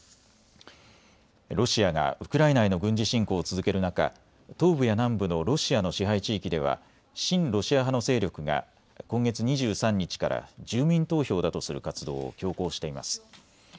ロシアがウクライナへの軍事侵攻を続ける中、東部や南部のロシアの支配地域では親ロシア派の勢力が今月２３日から住民投票だとする活動を強行しています。